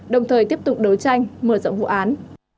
đồng thời tiếp tục đấu tranh mở rộng vụ án